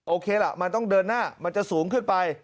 โอเคล่ะมันต้องเดินหน้ามันจะสูงขึ้นไป